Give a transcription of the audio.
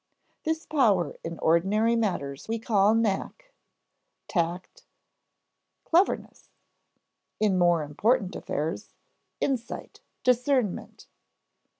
This power in ordinary matters we call knack, tact, cleverness; in more important affairs, insight, discernment.